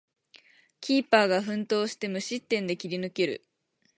キーパーが奮闘して無失点で切り抜ける